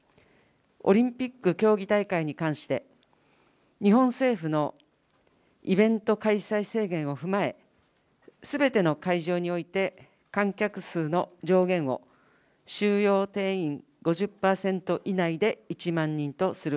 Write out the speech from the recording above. オリンピック競技大会に関して、日本政府のイベント開催制限を踏まえ、すべての会場において観客数の上限を収容定員５０％以内で、１万人とする。